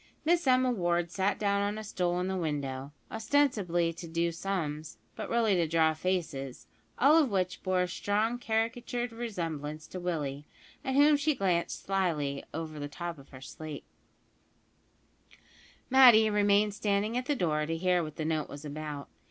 Miss Emma Ward sat down on a stool in the window, ostensibly to "do sums," but really to draw faces, all of which bore a strong caricatured resemblance to Willie, at whom she glanced slyly over the top of her slate. Matty remained standing at the door to hear what the note was about.